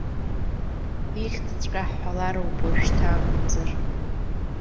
Ихьӡҵәҟьа ҳҳәалароуп уажәшьҭа, акәымзар.